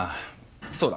そうだ。